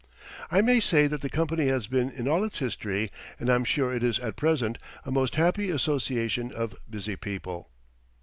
I may say that the company has been in all its history, and I am sure it is at present, a most happy association of busy people.